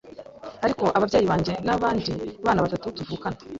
ariko ababyeyi banjye n’abandi bana batatu tuvukana